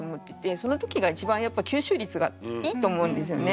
その時が一番やっぱ吸収率がいいと思うんですよね。